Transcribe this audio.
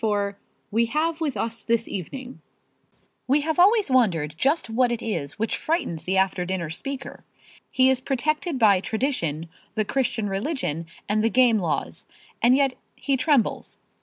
XXIV WE HAVE WITH US THIS EVENING We have always wondered just what it is which frightens the after dinner speaker. He is protected by tradition, the Christian religion and the game laws. And yet he trembles.